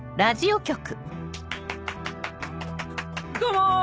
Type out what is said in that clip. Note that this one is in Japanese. どうも！